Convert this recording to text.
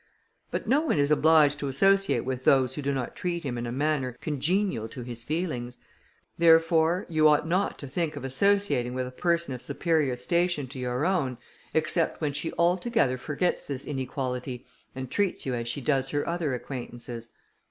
But no one is obliged to associate with those who do not treat him in a manner congenial to his feelings; therefore, you ought not to think of associating with a person of superior station to your own, except when she altogether forgets this inequality, and treats you as she does her other acquaintances."